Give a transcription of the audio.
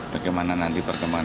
bagaimana nanti perkembangan